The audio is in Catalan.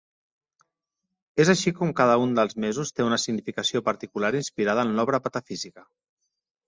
És així com cada un dels mesos té una significació particular inspirada en l'obra patafísica.